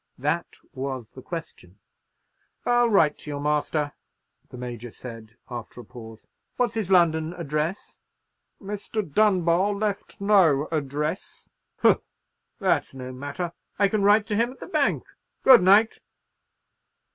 —that was the question. "I'll write to your master," the Major said, after a pause; "what's his London address?" "Mr. Dunbar left no address." "Humph! That's no matter. I can write to him at the bank. Good night."